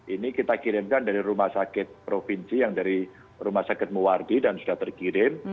ini kita kirimkan dari rumah sakit provinsi yang dari rumah sakit muwardi dan sudah terkirim